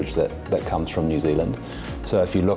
dan juga orang indonesia yang berpengaruh di indonesia